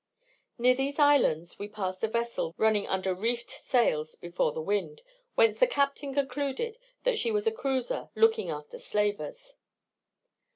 Near these islands we passed a vessel running under reefed sails before the wind, whence the captain concluded that she was a cruiser looking after slavers.